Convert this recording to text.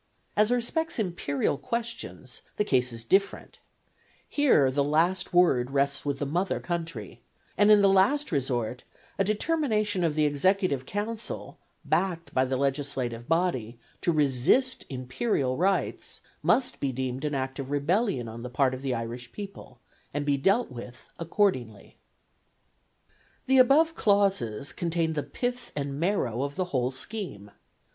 As respects imperial questions, the case is different; here the last word rests with the mother country, and in the last resort a determination of the executive council, backed by the legislative body, to resist imperial rights, must be deemed an act of rebellion on the part of the Irish people, and be dealt with accordingly. The above clauses contain the pith and marrow of the whole scheme.